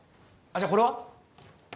じゃあこれは？